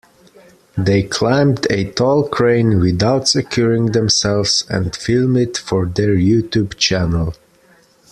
They climbed a tall crane without securing themselves and filmed it for their YouTube channel.